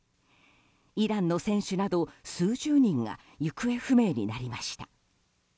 イランの選手など数十人が行方不明になりました。